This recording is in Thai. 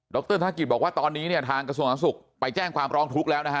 ดรธนกฤษบอกว่าตอนนี้ทางกระทรวงศักดิ์สุขไปแจ้งความร้องทุกข์แล้ว